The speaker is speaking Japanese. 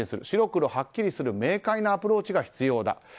白黒はっきりする明快なアプローチが必要だ。